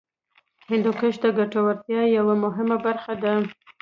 هندوکش د ګټورتیا یوه مهمه برخه ده.